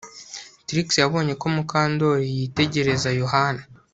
Trix yabonye ko Mukandoli yitegereza Yohana